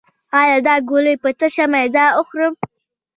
ایا دا ګولۍ په تشه معده وخورم؟